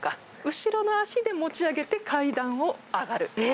後ろの脚で持ち上げて、階段を上がる。